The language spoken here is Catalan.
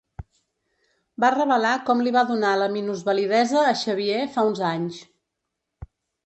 Va revelar com li va donar la minusvalidesa a Xavier fa uns anys.